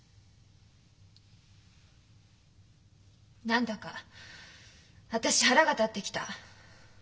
何だか私腹が立ってきた。